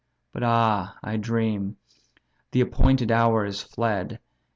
But ah, I dream! the appointed hour is fled.